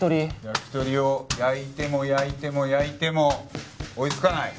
焼き鳥を焼いても焼いても焼いても追いつかない。